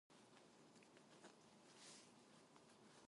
The band has earned a large cult following.